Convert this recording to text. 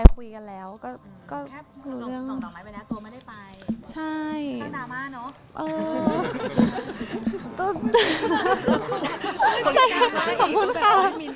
ขอบคุณค่ะ